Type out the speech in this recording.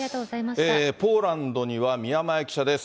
ポーランドには宮前記者です。